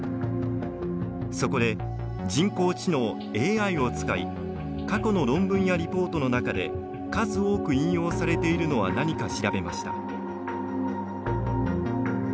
そこで人工知能・ＡＩを使い過去の論文やリポートの中で数多く引用されているのは何か調べました。